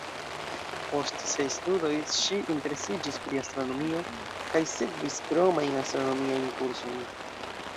Post siaj studoj, ŝi interesiĝis pri astronomio kaj sekvis kromajn astronomiajn kursojn.